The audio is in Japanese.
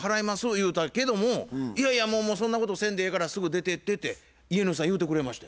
言うたけども「いやいやもうそんなことせんでええからすぐ出てって」って家主さん言うてくれました。